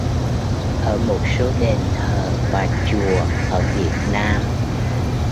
ở một số đền thờ và chùa ở Việt Nam